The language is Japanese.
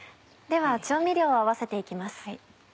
では調味料を合わせて行きます。